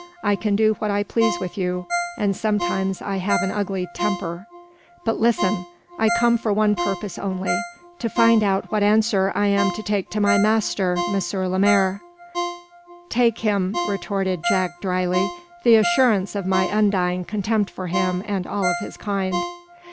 I can do what I please with you, and sometimes I have an ugly temper. But listen. I come for one purpose only to find out what answer am to take to my master, M. Lemaire." "Take him," retorted Jack, dryly, "the assurance of my undying contempt for him and all of his kind."